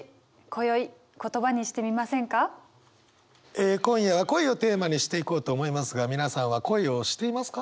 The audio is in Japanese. え今夜は「恋」をテーマにしていこうと思いますが皆さんは恋をしていますか？